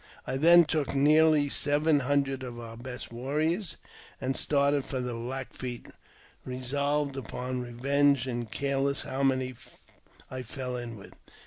I then took nearly seven hundred of our best warriors, and started for the Black Feet, resolved upon revenge, and care less how many I fell in with.